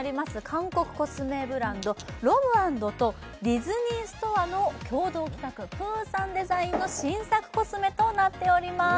韓国コスメブランドロムアンドとディズニーストアの共同企画プーさんデザインの新作コスメとなっております